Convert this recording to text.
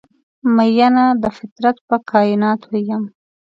میینه د فطرت په کائیناتو یم